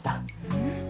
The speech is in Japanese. うん。